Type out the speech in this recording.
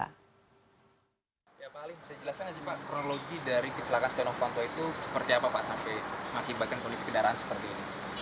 ya pak ali bisa jelaskan nggak sih pak kronologi dari kecelakaan setia novanto itu seperti apa pak sampai mengakibatkan kondisi kendaraan seperti ini